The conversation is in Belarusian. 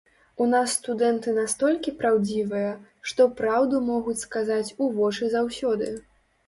У нас студэнты настолькі праўдзівыя, што праўду могуць сказаць у вочы заўсёды.